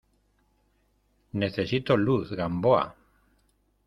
necesito luz, Gamboa.